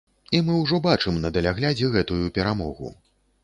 І мы ўжо бачым на даляглядзе гэтую перамогу.